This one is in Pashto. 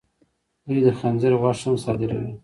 دوی د خنزیر غوښه هم صادروي.